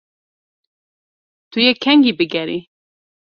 Tu yê kengî bigerî?